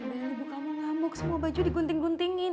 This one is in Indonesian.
ibu kamu ngamuk semua baju di gunting guntingin